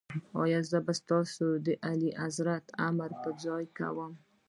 زه به ستاسي اعلیحضرت امر پر ځای کوم.